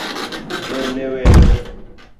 Lemne wendo